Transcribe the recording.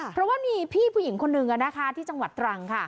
เพราะว่ามีพี่ผู้หญิงคนหนึ่งที่จังหวัดตรังค่ะ